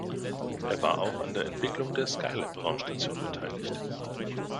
Er war auch an der Entwicklung der Skylab-Raumstation beteiligt.